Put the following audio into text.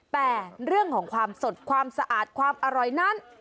แต่เรื่องของความสดความสะอาดความอร่อยนั้น